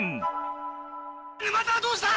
沼田はどうした！？